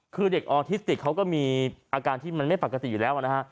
คือเด็กออทิสติกเขาก็มีอาการที่มันไม่ปกติอยู่แล้วนะฮะ